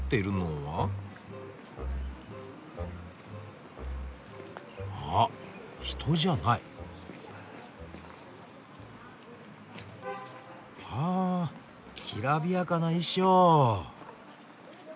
はあきらびやかな衣装。